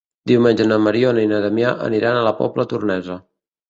Diumenge na Mariona i na Damià aniran a la Pobla Tornesa.